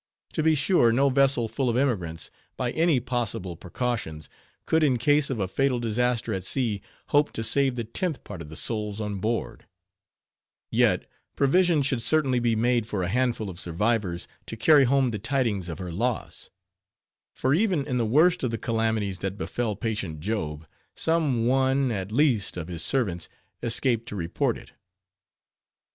To be sure, no vessel full of emigrants, by any possible precautions, could in case of a fatal disaster at sea, hope to save the tenth part of the souls on board; yet provision should certainly be made for a handful of survivors, to carry home the tidings of her loss; for even in the worst of the calamities that befell patient Job, some one at least of his servants escaped to report it.